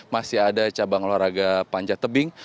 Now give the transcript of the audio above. masih ada cabang olahraga panjat tebing